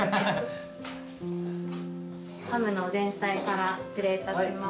ハムの前菜から失礼いたします。